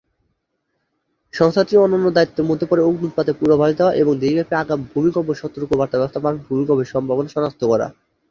সংস্থাটির অন্যান্য দায়িত্বের মধ্যে পড়ে অগ্ন্যুৎপাতের পূর্বাভাস দেওয়া এবং দেশব্যাপী আগাম ভূমিকম্প সতর্কবার্তা ব্যবস্থার মারফত ভূমিকম্পের সম্ভাবনা শনাক্ত করা।